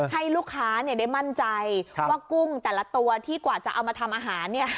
ให้ลูกค้าได้มั่นใจว่ากุ้งแต่ละตัวที่กว่าจะเอามาทำอาหารเนี่ย